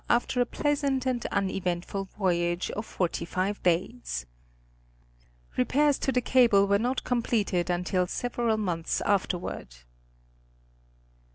after a pleasant and uneventful voyage of forty five days. Repairs to the cable were not completed until several months afterward.